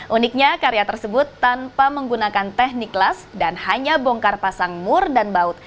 uniknya karya tersebut tanpa menggunakan teknik las dan hanya bongkar pasang mur dan baut